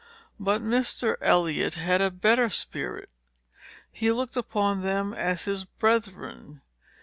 "But Mr. Eliot had a better spirit. He looked upon them as his brethren.